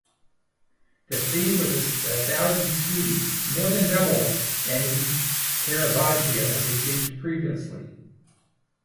The fee was a thousand scudi, more than double any Caravaggio had received previously.